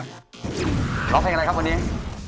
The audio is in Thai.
ร้องเพลงอะไรครับวันนี้